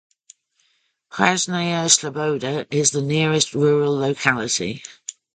Krasnaya Sloboda is the nearest rural locality.